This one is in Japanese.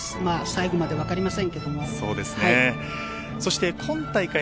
最後までわかりませんけれども。